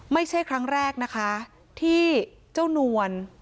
ไม่ใช่ครั้งแรกนะคะที่เจ้านวล